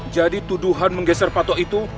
jadi tuduhan menggeser patok itu